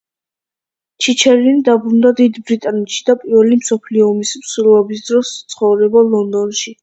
ჩიჩერინი დაბრუნდა დიდ ბრიტანეთში და პირველი მსოფლიო ომის მსვლელობის დროს ცხოვრობდა ლონდონში.